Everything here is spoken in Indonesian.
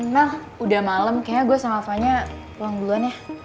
nah udah malam kayaknya gue sama fanya pulang duluan ya